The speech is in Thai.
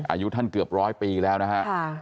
อายุท่านเกือบร้อยปีแล้วนะฮะ